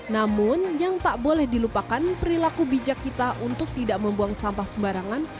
namun yang tak boleh dilupakan perilaku bijak kita untuk tidak membuang sampah sembarangan